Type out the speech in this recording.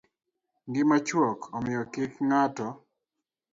Ngima chuok, omiyo kik ng'ato